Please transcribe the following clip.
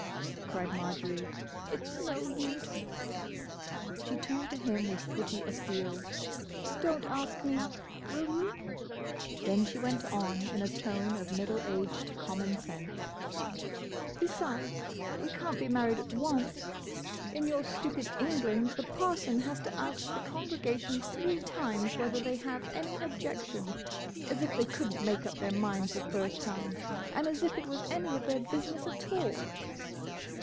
cried Marjory. "It's no use." She turned to him with pretty appeal. "Don't ask me, will you?" Then she went on in a tone of middle aged common sense: "Besides, we can't be married at once. In your stupid England, the parson has to ask the congregation three times whether they have any objection. As if they could n't make up their minds the first time! and as if it was any of their business at all!"